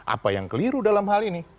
apa yang keliru dalam hal ini